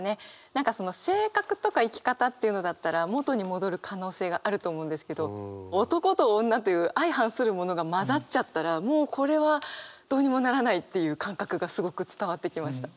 何か性格とか生き方っていうのだったら元に戻る可能性があると思うんですけど男と女という相反するものが交ざっちゃったらもうこれはどうにもならないっていう感覚がすごく伝わってきました。